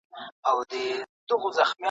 چي هامان ته خبر ورغى موسکی سو !.